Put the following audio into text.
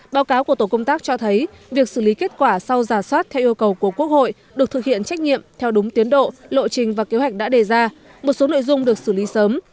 báo cáo của tổ công tác cho thấy việc xử lý kết quả sau giả soát theo yêu cầu của quốc hội được thực hiện trách nhiệm theo đúng tiến độ lộ trình và kế hoạch đã đề ra một số nội dung được xử lý sớm